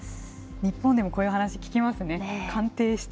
日本でもこういう話聞きますね。